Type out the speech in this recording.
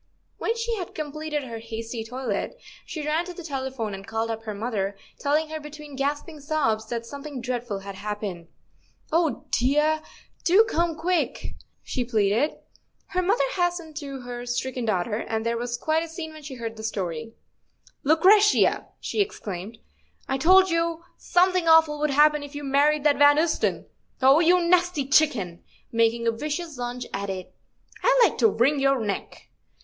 When she had completed her hasty toilet, she ran to the telephone and called up her mother, telling her between gasping sobs that something dreadful had happened. "Oh, dear; do come quick," she pleaded. Her mother hastened to her stricken daughter, and there was quite a scene when she heard her story. " Lucretia," she exclaimed, " I told you somthing awful would happen if you married that Van Ousten. Oh, you nasty chicken ! "—making a vicious lunge at it—" I'd like to wring your neck."